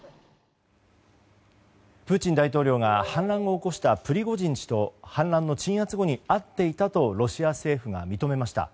プーチン大統領が反乱を起こしたプリゴジン氏と反乱の鎮圧後に会っていたとロシア政府が認めました。